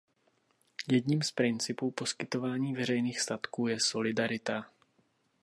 Jedním z principů poskytování veřejných statků je solidarita.